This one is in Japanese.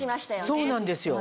そうなんですよ。